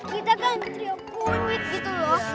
kita kan dia kunyit gitu loh